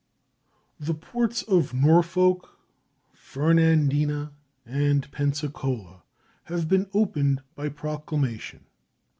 The ports of Norfolk, Fernandina, and Pensacola have been opened by proclamation.